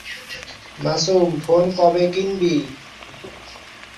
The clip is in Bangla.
এই ভবনটির নকশা প্রণয়ন, নির্মাণ এবং অর্থায়ন কর হয়েছে চীনা সরকার কর্তৃক।